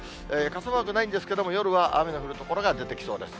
傘マークないんですけれども、夜は雨の降る所が出てきそうです。